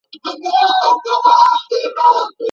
قلمي خط د مغز انځوریز مهارتونه زیاتوي.